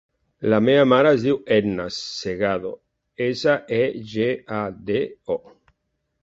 La meva mare es diu Etna Segado: essa, e, ge, a, de, o.